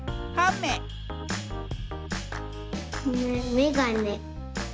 メめがね。